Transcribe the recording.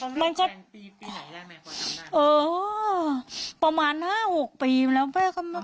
แค่พาเลศีลแผนปีไหนได้ไหมพอทำได้